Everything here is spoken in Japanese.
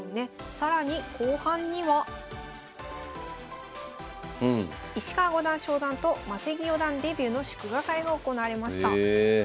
更に石川五段昇段と柵木四段デビューの祝賀会が行われました。